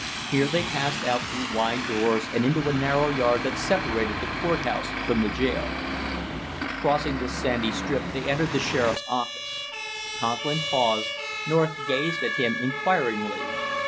Here they passed out through wide doors and into a narrow yard that separated the court house from the jail. Crossing this sandy strip they entered the sheriff's office. Conklin paused; North gazed at him inquiringly.